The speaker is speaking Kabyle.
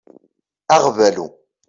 Aɣbalu.